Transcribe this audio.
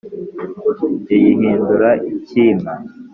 iyihindura icyima